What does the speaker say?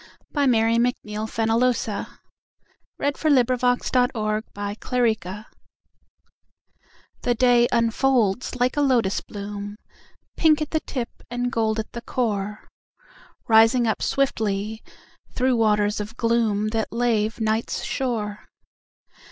By Mary McNeilFenollosa 1645 Sunrise in the Hills of Satsuma THE DAY unfolds like a lotus bloom, Pink at the tip and gold at the core, Rising up swiftly through waters of gloomThat lave night's shore.